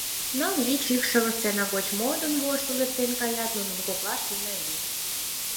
Ныл-вич икшыве сцена гоч модын-воштыл эртен каят, нунын коклаште Унави.